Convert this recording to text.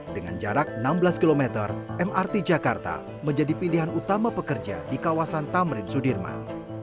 dengan jarak enam belas km mrt jakarta menjadi pilihan utama pekerja di kawasan tamrin sudirman